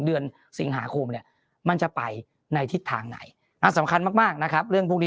เดือนสิงหาคมเนี่ยมันจะไปในทิศทางไหนอันสำคัญมากมากนะครับเรื่องพวกนี้